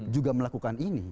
juga melakukan ini